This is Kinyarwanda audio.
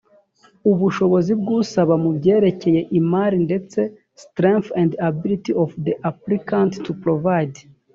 ubushobozi bw usaba mu byerekeye imari ndetse strength and ability of the applicant to provide